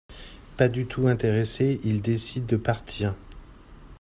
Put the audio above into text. Pas du tout intéressés, ils décident de partir.